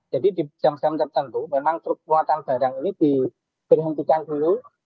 di jam jam tertentu memang truk muatan barang ini diberhentikan dulu